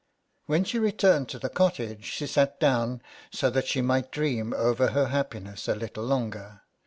When she re turned to the cottage she sat down, so that she might dream over her happiness a little longer.